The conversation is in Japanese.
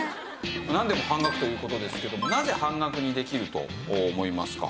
なんでも半額という事ですけどもなぜ半額にできると思いますか？